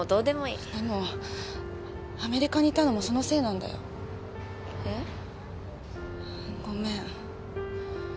でもアメリカに行ったのもそのせいなんだよ。えっ？ごめん。